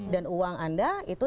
dan uang anda itu